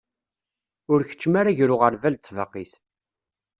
Ur keččem ara gar uɣerbal d tbaqit.